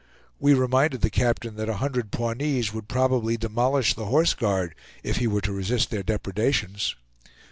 We reminded the captain that a hundred Pawnees would probably demolish the horse guard, if he were to resist their depredations.